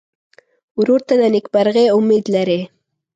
ورور ته د نېکمرغۍ امید لرې.